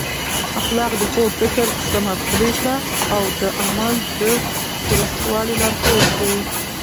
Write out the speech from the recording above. اخلاق د ښو فکر، سمه پرېکړه او د عمل د درستوالي لارښود دی.